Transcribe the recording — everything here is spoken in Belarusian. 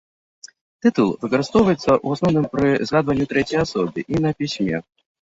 Тытул выкарыстоўваецца, у асноўным, пры згадванні ў трэцяй асобе і на пісьме.